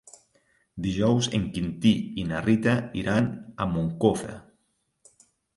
Dijous en Quintí i na Rita iran a Moncofa.